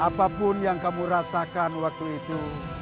apapun yang kamu rasakan waktu itu